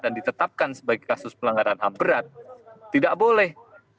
dan ditetapkan sebagai kasus pelanggaran ham berat tidak boleh